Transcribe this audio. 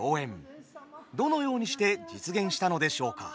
どのようにして実現したのでしょうか。